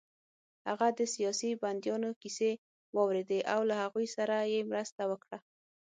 هغه د سیاسي بندیانو کیسې واورېدې او له هغوی سره يې مرسته وکړه